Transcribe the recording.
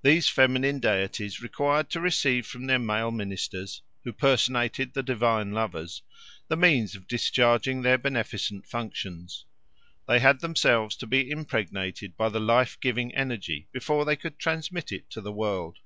These feminine deities required to receive from their male ministers, who personated the divine lovers, the means of discharging their beneficent functions: they had themselves to be impregnated by the life giving energy before they could transmit it to the world.